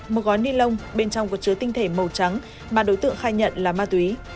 một gói ni lông bên trong có chứa tinh thể màu trắng mà đối tượng khai nhận là ma túy